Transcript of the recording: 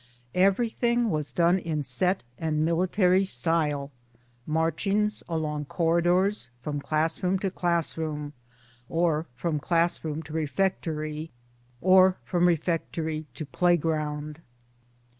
Everything was done in set and military style marchings along corridors from class room to class room, or from class room to refectory, or from refectory to playground.